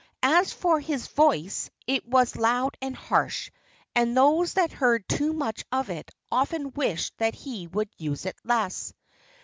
As for his voice, it was loud and harsh. And those that heard too much of it often wished that he would use it less.